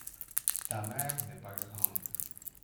Ta mère n’est pas grande.